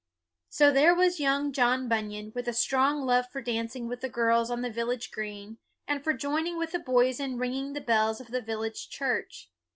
So there was young John Bunyan, with a strong love for dancing with the girls on the village green, and for joining with the boys in ringing the bells of the village church.